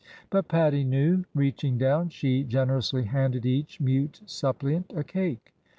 But Pattie knew 1 Reaching down, she gener ously handed each mute suppliant a cake.